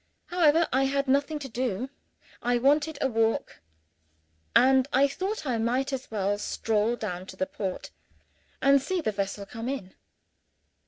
However, I had nothing to do I wanted a walk and I thought I might as well stroll down to the port, and see the vessel come in.